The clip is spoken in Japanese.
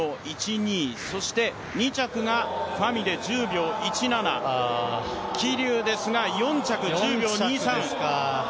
そして２着がファミで１０秒１７、桐生ですが４着１０秒２３。